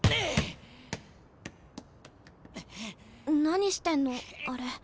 何してんのあれ。